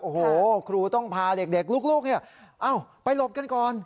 โอ้โหครูต้องพาเด็กลูกไปหลบกันก่อน